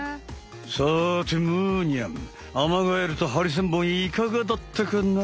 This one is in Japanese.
さてむーにゃんアマガエルとハリセンボンいかがだったかな？